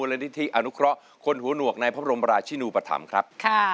เมื่อวานนี้วันเสาร์ที่ผ่านมาครับ